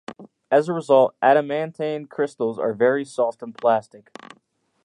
As a result, adamantane crystals are very soft and plastic.